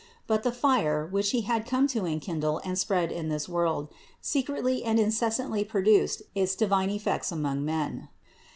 But the fire, which He had come to enkindle and spread in this world, secretly and incessantly produced its divine effects among men.